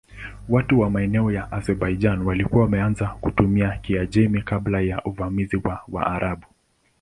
Watu wa maeneo ya Azerbaijan walikuwa wameanza kutumia Kiajemi kabla ya uvamizi wa Waarabu.